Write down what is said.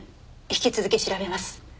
引き続き調べます。